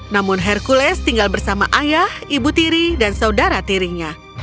namun hercules tinggal bersama ayah ibu tiri dan saudara tirinya